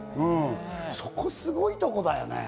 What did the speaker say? そこ、すごいところだよね。